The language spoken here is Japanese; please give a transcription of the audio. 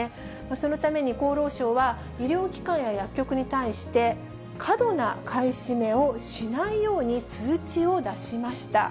そのために厚労省は、医療機関や薬局に対して、過度な買い占めをしないように通知を出しました。